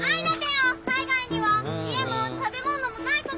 海外には家も食べ物もない子が。